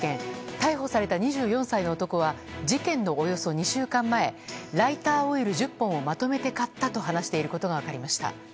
逮捕された２４歳の男は事件のおよそ２週間前ライターオイル１０本をまとめて買ったと話していることが分かりました。